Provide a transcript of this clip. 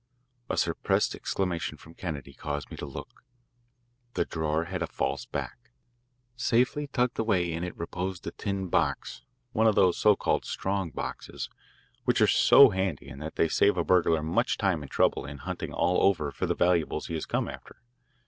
A suppressed exclamation from Kennedy caused me to look. The drawer had a false back. Safely tucked away in it reposed a tin box, one of those so called strong boxes which are so handy in that they save a burglar much time and trouble in hunting all over for the valuables he has come after.